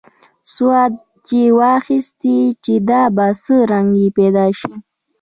سودا یې واخیست چې دا به څه رنګ پیدا شي.